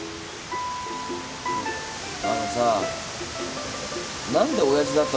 あのさ何で親父だったと思うよ。